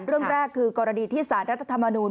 เรื่องแรกคือกรณีที่สารรัฐธรรมนูล